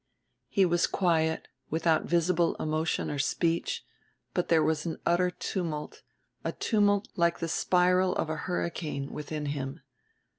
He was quiet, without visible emotion or speech; but there was an utter tumult, a tumult like the spiral of a hurricane, within him.